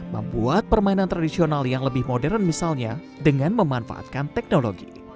membuat permainan tradisional yang lebih modern misalnya dengan memanfaatkan teknologi